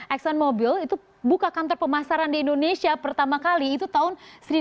exxon mobil itu buka kantor pemasaran di indonesia pertama kali itu tahun seribu sembilan ratus delapan puluh